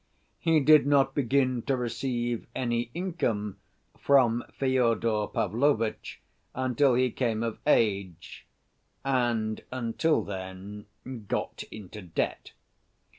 He did not begin to receive any income from Fyodor Pavlovitch until he came of age, and until then got into debt.